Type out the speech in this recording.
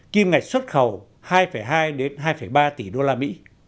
kim ngạch xuất khẩu hai hai hai ba tỷ usd